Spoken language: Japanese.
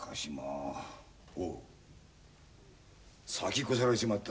先越されちまった。